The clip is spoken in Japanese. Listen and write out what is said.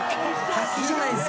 滝じゃないですか。